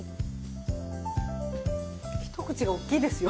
一口がおっきいですよ。